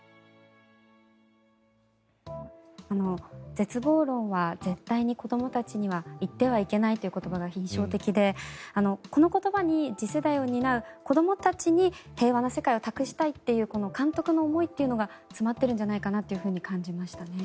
絶望論は絶対に子どもたちには言ってはいけないという言葉が印象的で、この言葉に次世代を担う子どもたちに平和な世界を託したいという監督の思いが詰まっているんじゃないかと感じましたね。